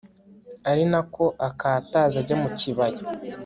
ari na ko akataza ajya mu kibaya